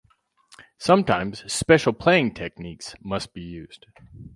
Sometimes special playing techniques must be used.